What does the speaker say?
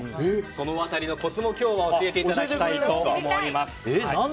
その辺りのコツも今日は教えていただきたいと思います。